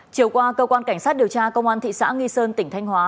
chiều qua cơ quan cảnh sát điều tra công an thị xã nghi sơn tỉnh thanh hóa